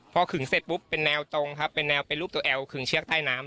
พอขึงเสร็จปุ๊บเป็นแนวตรงครับเป็นแนวเป็นรูปตัวแอลขึงเชือกใต้น้ำ